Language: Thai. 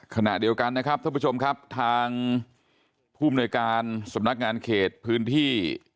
ขณะเดียวกันท่านผู้ผู้ชมครับทางผู้บริการสำนักงานเขตพื้นที่